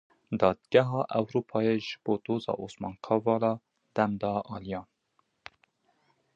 Dadgeha Ewropayê ji bo Doza Osman Kavala dem da aliyan.